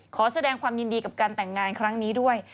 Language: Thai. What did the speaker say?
ขอแสดงความยินดีกับการแต่งงานครั้งนี้ด้วย